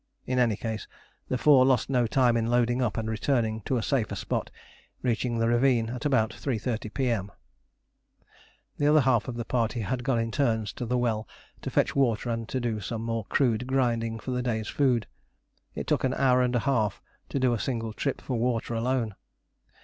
In any case, the four lost no time in loading up and returning to a safer spot, reaching the ravine at about 3.30 P.M. The other half of the party had gone in turns to the well, to fetch water and do some more crude grinding for the day's food. It took an hour and a half to do a single trip for water alone.